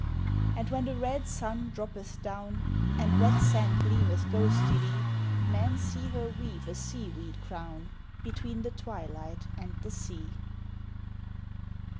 And, when the red sun droppeth down And wet sand gleameth ghostily, Men see her weave a sea weed crown Between the twilight and the sea.